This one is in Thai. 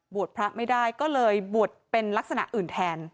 พระไม่ได้ก็เลยบวชเป็นลักษณะอื่นแทน